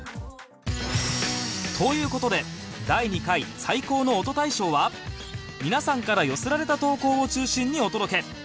という事で第２回最高の音大賞は皆さんから寄せられた投稿を中心にお届け